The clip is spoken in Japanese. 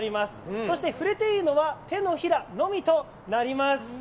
そして触れていいのは手のひらのみとなります。